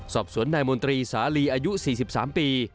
สอบสวนนายมนตรีสาลีอายุ๔๓ปี